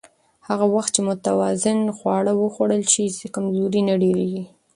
هغه وخت چې متوازن خواړه وخوړل شي، کمزوري نه ډېریږي.